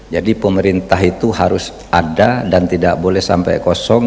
jadi pemerintah itu harus ada dan tidak boleh sampai kosong